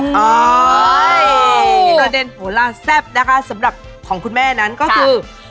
นี่ประเด็นโหลาแซ่บนะคะสำหรับของคุณแม่นั้นก็คือ